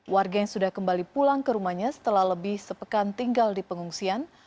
warga yang sudah kembali pulang ke rumahnya setelah lebih sepekan tinggal di pengungsian